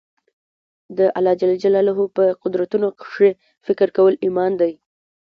د الله جل جلاله په قدرتونو کښي فکر کول ایمان دئ.